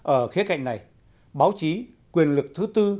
ở khía cạnh này báo chí quyền lực thứ tư